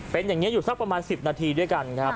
เป็นอย่างนี้อยู่สักประมาณ๑๐นาทีด้วยกันครับ